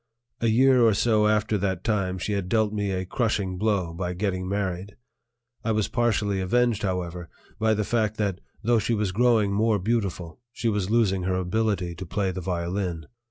A year or so after that time she had dealt me a crushing blow by getting married. I was partially avenged, however, by the fact that, though she was growing more beautiful, she was losing her ability to play the violin.